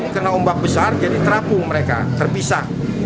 karena ombak besar jadi terapung mereka terpisah